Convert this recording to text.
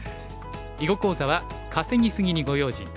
囲碁講座は「稼ぎ過ぎにご用心」。